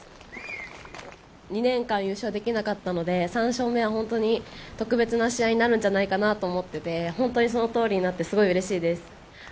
２年間、優勝できなかったので、３勝目を本当に特別な試合になるんじゃないかなと思っていて、本当にその通りなって、すごいうれしいです。